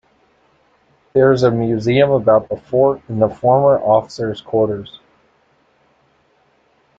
There is a museum about the fort in the former officers' quarters.